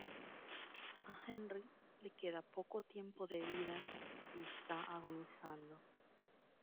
A Henry le queda poco tiempo de vida y está agonizando.